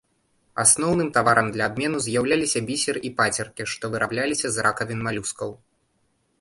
Асноўным таварамі для абмену з'яўляліся бісер і пацеркі, што вырабляліся з ракавін малюскаў.